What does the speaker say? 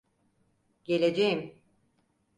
Geleceğim.